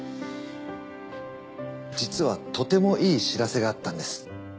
実はとてもいい知らせがあったんです。